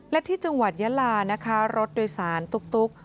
และที่จังหวัดยาลานะคะรถโดยสารตุ๊ก